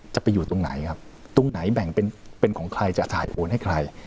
จะไปอยู่ตรงไหนครับตรงไหนแบ่งเป็นของใครจะถ่ายโอนให้ใคร